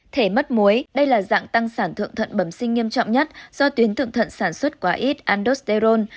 thể mất muối đây là dạng tăng sản thượng thận bẩm sinh nghiêm trọng nhất do tuyến thượng thận sản xuất quá ít anduserol